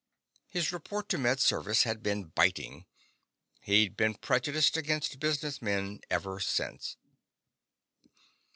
His report to Med Service had been biting. He'd been prejudiced against businessmen ever since.